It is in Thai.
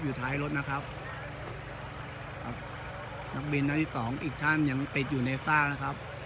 อยู่ท้ายรถนะครับครับนักบินทั้งที่สองอีกท่านยังติดอยู่ในฝ้านะครับ